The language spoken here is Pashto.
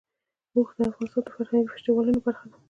اوښ د افغانستان د فرهنګي فستیوالونو برخه ده.